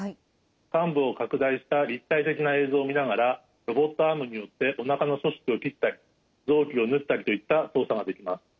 患部を拡大した立体的な映像を見ながらロボットアームによっておなかの組織を切ったり臓器を縫ったりといった操作ができます。